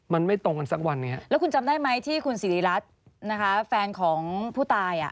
มันไม่ตรงกันสักวันไงแล้วคุณจำได้ไหมที่คุณสิริรัตน์นะคะแฟนของผู้ตายอ่ะ